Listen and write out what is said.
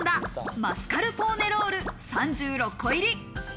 マスカルポーネロール、３６個入り。